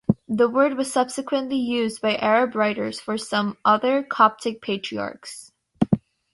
The word was subsequently used by Arab writers for some other Coptic Patriarchs.